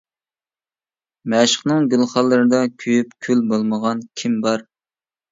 مەشۇقىنىڭ گۈلخانلىرىدا، كۆيۈپ كۈل بولمىغان كىم بار.